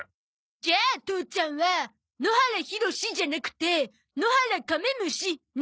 じゃあ父ちゃんは「野原ひろし」じゃなくて「野原カメムシ」ね。